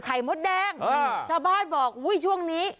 ไขมดแดงอ่าเช้าบ้านบอกอุ้ยช่วงนี้